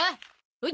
ほい。